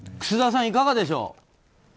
楠田さん、いかがでしょう？